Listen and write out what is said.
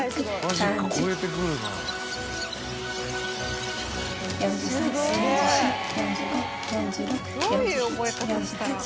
どういう覚え方したら？